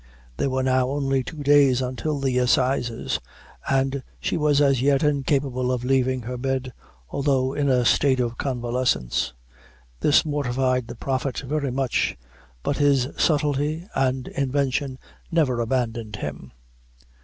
There were now only two days until the assizes, and she was as yet incapable of leaving her bed, although in a state of convalescence. This mortified the Prophet very much, but his subtlety and invention never abandoned him.